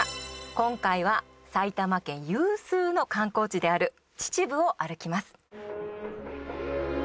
今回は埼玉県有数の観光地である秩父を歩きます。